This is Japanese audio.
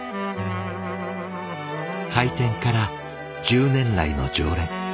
開店から１０年来の常連。